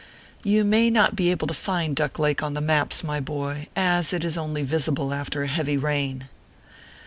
You may not be able to find Duck Lake on the maps, my boy, as it is only visible after a heavy rain.